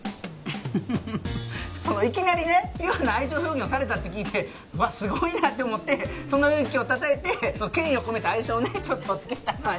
フフフいきなりねピュアな愛情表現をされたって聞いてうわっすごいなって思ってその勇気をたたえて敬意を込めた愛称をねちょっとつけたのよ